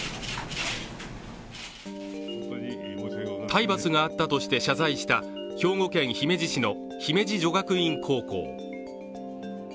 体罰があったとして謝罪した兵庫県姫路市の姫路女学院高校。